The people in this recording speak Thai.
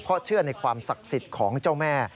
เพราะเชื่อในความศักดิ์สิทธิ์ของเจ้าแม่